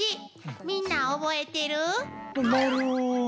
みんな覚えてる？